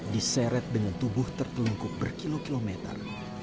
diseret dengan tubuh tertelungkup berkilo kilometer